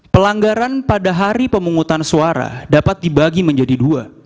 pelanggaran pada hari pemungutan suara dapat dibagi menjadi dua